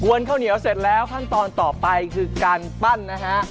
ข้าวเหนียวเสร็จแล้วขั้นตอนต่อไปคือการปั้นนะฮะ